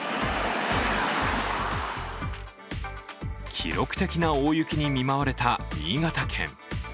記録的な大雪に見舞われた新潟県。